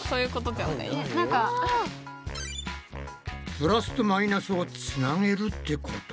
プラスとマイナスをつなげるってこと？